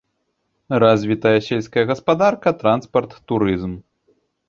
Развітыя сельская гаспадарка, транспарт, турызм.